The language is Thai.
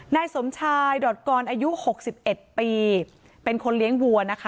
นายสมชายดอดกรอายุ๖๑ปีเป็นคนเลี้ยงวัวนะคะ